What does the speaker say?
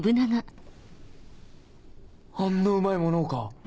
あんなうまいものをか？